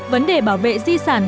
vấn đề bảo vệ di sản